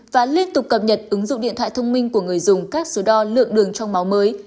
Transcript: và liên tục cập nhật ứng dụng điện thoại thông minh của người dùng các số đo lượng đường trong máu mới